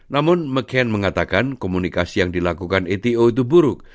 namun mcken mengatakan komunikasi yang dilakukan ato itu buruk